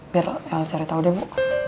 biar el cari tau deh bu